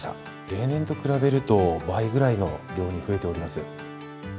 例年と比べると倍ぐらいの量に増えております。